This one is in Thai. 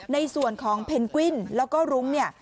ในส่วนของเพนกวิ้นแล้วก็รุ้งเนี่ย